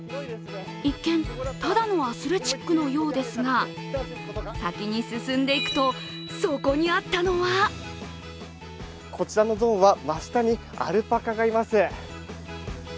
一見ただのアスレチックのようですが、先に進んでいくと、そこにあったのはこちらのゾーンは真下にアルパカがいます。